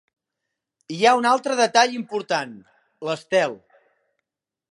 Hi ha un altre detall important: l'estel.